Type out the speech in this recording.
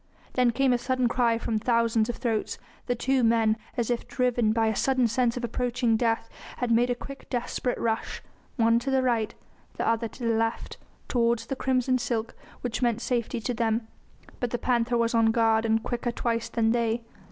Then came a sudden cry from thousands of throats; the two men, as if driven by a sudden sense of approaching death, had made a quick desperate rush, one to the right the other to the left, towards the crimson silk which meant safety to them. But the panther was on guard and quicker twice than they.